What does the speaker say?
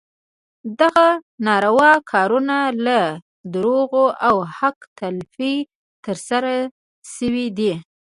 دغه ناروا کارونه لکه دروغ او حق تلفي ترسره شوي دي.